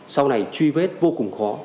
sau này truy vết vô cùng khó